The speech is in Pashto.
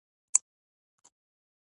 لمونځونه مې په اشارې کول.